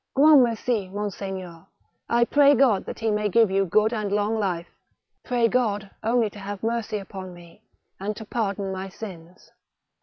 " Grand merci, monseigneur ! I pray God that he may give you good and long life." " Pray God only to have mercy upon me, and to pardon my sins."